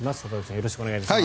よろしくお願いします。